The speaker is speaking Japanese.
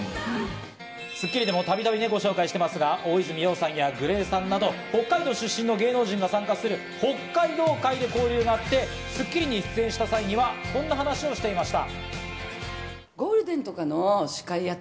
『スッキリ』でもたびたびご紹介してますが、大泉洋さんや、ＧＬＡＹさんなど、北海道出身の芸能人が参加する北海道会で交流があって『スッキリ』に出演した際にはこんな話をしていました。